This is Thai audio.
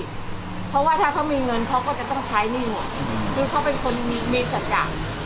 เพราะว่าถ้าเขามีเงินเขาก็จะต้องใช้หนี้หมดคือเขาเป็นคนมีสัจจะ